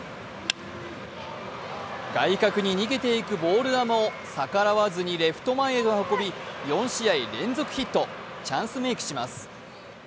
外角に逃げていくボール球を逆らわずにレフト前へと運び４試合連続ヒットチャンスメークします。